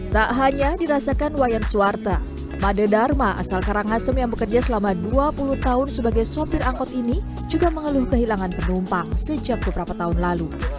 tak hanya dirasakan wayan suwarta made dharma asal karangasem yang bekerja selama dua puluh tahun sebagai sopir angkot ini juga mengeluh kehilangan penumpang sejak beberapa tahun lalu